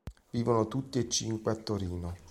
Vivono tutti e cinque a Torino.